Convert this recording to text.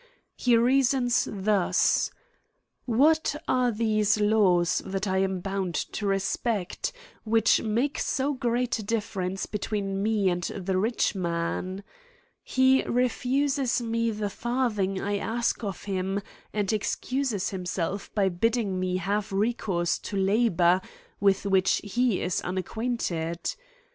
He reasons thus :' What * are these laws that I am bound to respect, which * make so great a difference between me and the * rich man ? He refuses me the farthing I ask of ' him, and excuses himself by bidding me have re * course to labour, with which he is unacquainted.